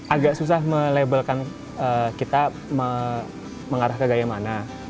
agak susah me labelkan kita mengarah ke gaya mana